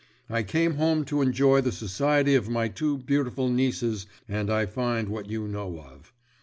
I came home to enjoy the society of my two beautiful nieces, and I find what you know of.